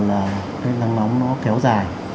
là cái nắng nóng nó kéo dài